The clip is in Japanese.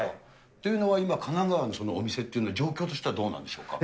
っていうのは神奈川のお店っていうのは、状況としてはどうなんでしょうか？